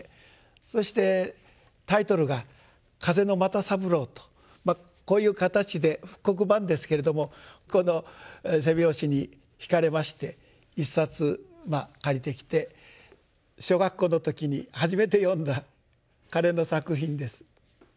そしてタイトルが「風の又三郎」とこういう形で復刻版ですけれどもこの背表紙にひかれまして１冊まあ借りてきて小学校の時に初めて読んだ彼の作品です。